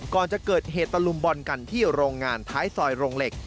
ก่อนจะเกิดเหตุตะลุมบอลกันที่โรงงานท้ายซอยโรงเหล็ก